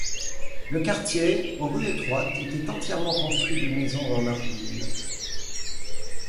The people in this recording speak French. Le quartier, aux rues étroites, était entièrement construit de maisons en argile.